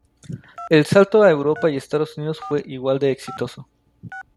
El salto a Europa y Estados Unidos fue igual de exitoso.